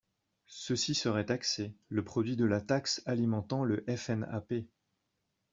Ceux-ci seraient taxés, le produit de la taxe alimentant le FNAP.